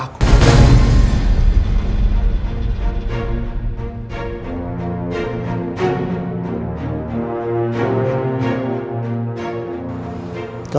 aku mau jabatan ketua ausis dialihkan ke aku